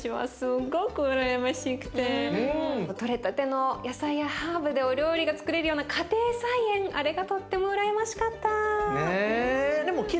とれたての野菜やハーブでお料理がつくれるような家庭菜園あれがとっても羨ましかった。ね。